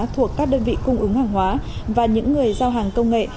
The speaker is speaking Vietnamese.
thuộc các đơn vị cung ứng hàng hóa và những người giao hàng công nghệ